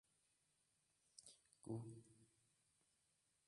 قرن سليمان قد أضر به